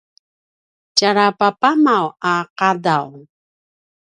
tjara papamaw a qadaw